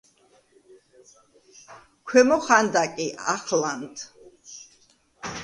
ქვემო ხანდაკი, ახლანდ.